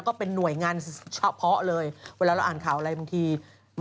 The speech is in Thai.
อยู่ในกฎหมายเลยใช่ไหมฮืม